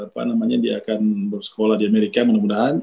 apa namanya dia akan bersekolah di amerika mudah mudahan